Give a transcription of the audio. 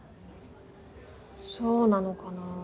そうなのかな。